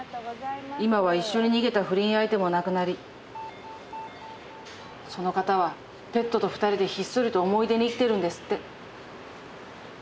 今は一緒に逃げた不倫相手も亡くなりその方はペットと二人でひっそりと思い出に生きてるんですって。